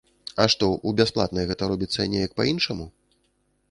А што, у бясплатнай гэта робіцца неяк па-іншаму?